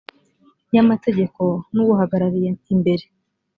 y amategeko ni uwuhagarariye imbere